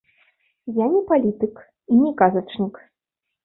Я не палітык і не казачнік.